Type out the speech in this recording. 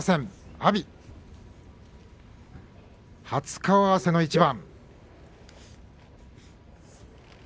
阿炎初顔合わせの一番。